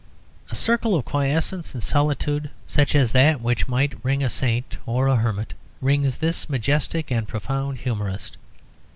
A circle of quiescence and solitude such as that which might ring a saint or a hermit rings this majestic and profound humourist.